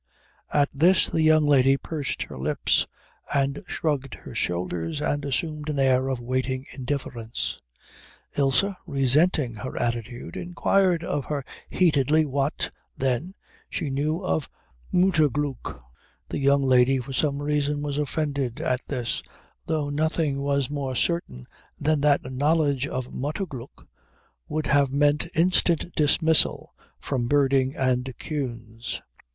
At this the young lady pursed her lips and shrugged her shoulders and assumed an air of waiting indifference. Ilse, resenting her attitude, inquired of her heatedly what, then, she knew of Mutterglück. The young lady, for some reason, was offended at this, though nothing was more certain than that knowledge of Mutterglück would have meant instant dismissal from Berding and Kühn's.